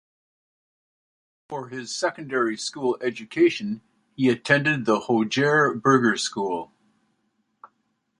For his secondary school education he attended the Hogere Burgerschool.